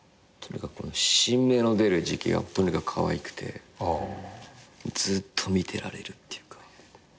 新芽の出る時期はとにかくかわいくてずっと見てられるっていうか。